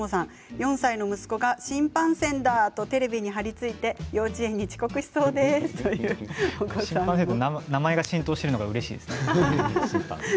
４歳の息子がテレビに、はり付いて幼稚園に名前が浸透してるのがうれしいです。